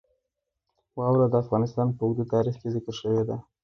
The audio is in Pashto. واوره د افغانستان په اوږده تاریخ کې ذکر شوې ده.